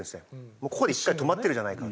もうここで一回止まってるじゃないかと。